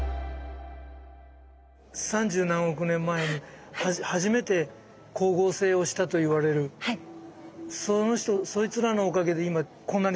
三十何億年前に初めて光合成をしたといわれるそいつらのおかげで今こんなに酸素がたくさんある。